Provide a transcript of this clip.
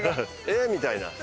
ええー！みたいな。